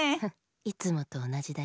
いつもとおなじだよ。